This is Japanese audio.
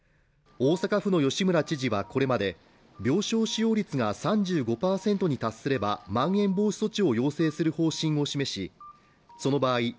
大阪府の吉村知事はこれまで病床使用率が３５％に達すればまん延防止措置を要請する方針を示しその場合